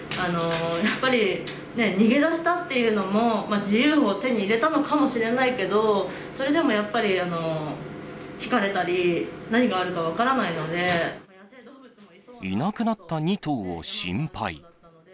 やっぱり逃げ出したっていうのも、自由を手に入れたのかもしれないけど、それでもやっぱり、ひかれたり、いなくなった２頭を心配。